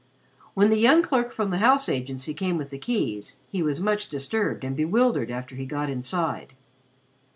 When the young clerk from the house agency came with the keys, he was much disturbed and bewildered after he got inside.